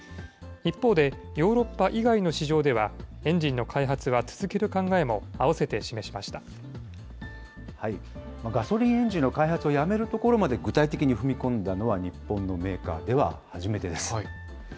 一方でヨーロッパ以外の市場ではエンジンの開発は続ける考えも併ガソリンエンジンの開発をやめるところまで具体的に踏み込んだのは、日本のメーカーでは初めてです。